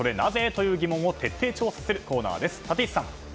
という疑問を徹底調査するコーナーです。